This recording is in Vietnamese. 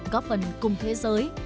góp phần cùng thế giới